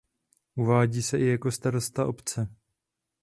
Uvádí se i jako starosta obce.